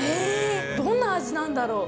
どんな味なんだろう。